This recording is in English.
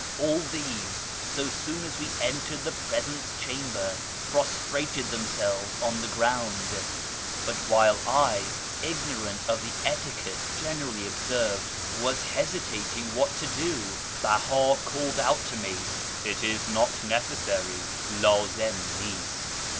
All these, so soon as we entered the presence chamber, prostrated themselves on the ground ; but while I, ignorant of the etiquette generally observed, was hesitating what to do, Behii called out to me ' It is not necessary '(' Ldzim nisi